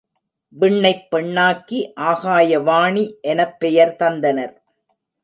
விண்ணைப் பெண்ணாக்கி ஆகாய வாணி எனப் பெயர் தந்தனர்.